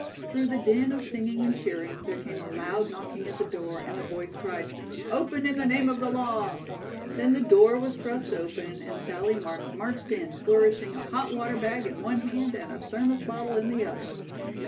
'" Through the din of singing and cheering, there came a loud knocking at the door and a voice cried: "Open in the name of the law!" Then the door was thrust open and Sallie Marks marched in flourishing a hot water bag in one hand and a thermos bottle in the other.